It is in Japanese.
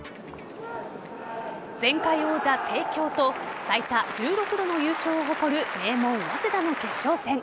前回王者・帝京と最多１６度の優勝を誇る名門・早稲田の決勝戦。